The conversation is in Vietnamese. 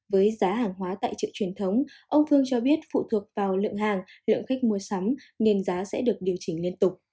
với giá hàng hóa tại trực truyền thống ông phương cho biết phụ thuộc vào lượng hàng lượng khách mua sắm